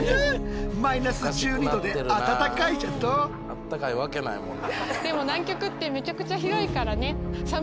あったかいわけないもんな。